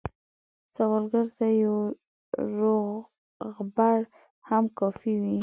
سوالګر ته یو روغبړ هم کافي وي